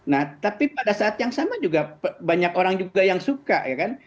nah tapi pada saat yang sama juga banyak orang juga yang suka ya kan